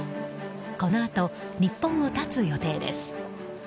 このあと日本を発つ予定です。